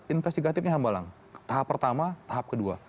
investigatifnya hambalang tahap pertama tahap kedua